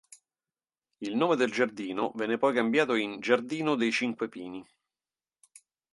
Il nome del giardino venne poi cambiato in "Giardino dei Cinque Pini".